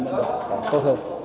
mới được tốt hơn